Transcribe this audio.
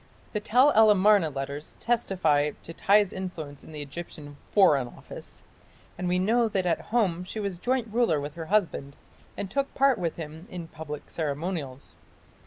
The Tell el Amarna letters testify to Tiy's influence in the Egyptian "Foreign Office", and we know that at home she was joint ruler with her husband and took part with him in public ceremonials.